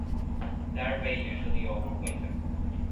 Larvae usually overwinter.